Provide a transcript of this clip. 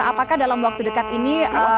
apakah dalam waktu dekat ini